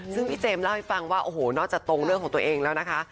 ซึ่งพี่เจมส์เล่าให้ฟังว่าโอ้โหนอกจากตรงเรื่องของตัวเองแล้วนะคะ